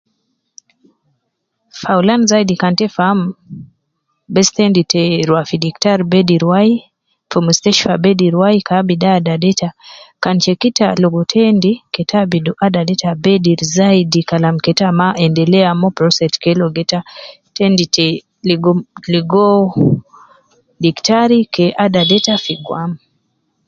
Fi aulan zaidi kan ta faamu bes tendi te rua fi diktari bedir wai ,fi musteshtfa bedir wai ke abidu adadita, kan check ita ligi ita endi keta abidu adadita bedir zaidi kalam keta ma endelea moo prostate kee ligo ita, tendi te ligi ligoo diktari kee adadita fi guam